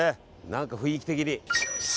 何か雰囲気的に。